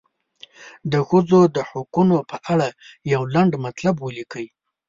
د ښځو د حقونو په اړه یو لنډ مطلب ولیکئ.